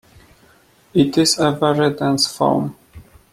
It is a very dense foam.